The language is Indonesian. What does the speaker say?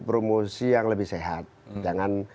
promosi yang lebih sehat jangan